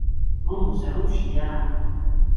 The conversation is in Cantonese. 我唔想遲啊